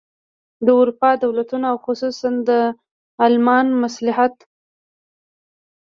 د اروپا د دولتونو او خصوصاً د المان مصلحت.